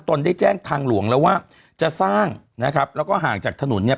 ได้แจ้งทางหลวงแล้วว่าจะสร้างนะครับแล้วก็ห่างจากถนนเนี่ย